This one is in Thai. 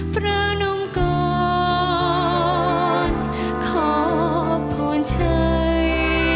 พระนมกรขอบพลใจ